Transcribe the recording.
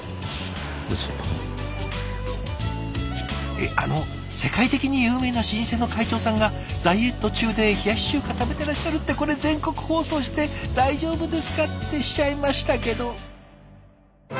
えっあの世界的に有名な老舗の会長さんがダイエット中で冷やし中華食べてらっしゃるってこれ全国放送して大丈夫ですかってしちゃいましたけど。